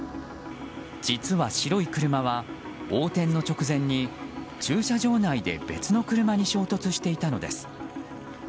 実は白い車は横転の直前に駐車場内で別の車に衝突していたのです。